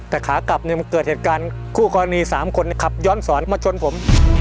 แต่ขากลับเนี่ยมันเกิดเหตุการณ์คู่กรณี๓คนขับย้อนสอนมาชนผม